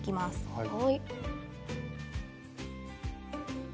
はい。